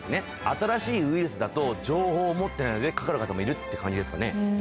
新しいウイルスだと情報を持ってないのでかかる方もいるって感じですかね。